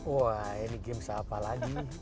wah ini games apa lagi